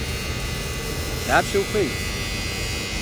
Дапщэ ухуей?